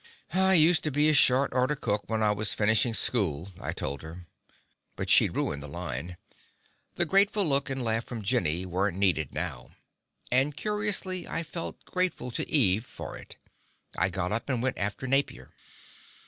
"I used to be a short order cook when I was finishing school," I told her. But she'd ruined the line. The grateful look and laugh from Jenny weren't needed now. And curiously, I felt grateful to Eve for it. I got up and went after Napier.